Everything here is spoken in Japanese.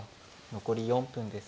残り４分です。